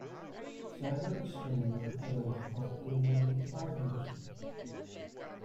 Several standard alloys of aluminum are used.